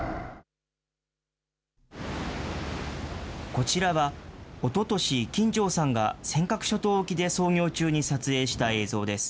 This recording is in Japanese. こちらはおととし、金城さんが尖閣諸島沖で操業中に撮影した映像です。